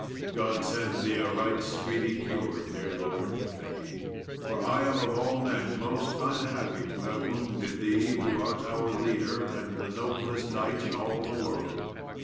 "God send thee a right speedy cure, dear lord," said he; "for I am of all men most unhappy to have wounded thee, who art our leader, and the noblest knight in all the world."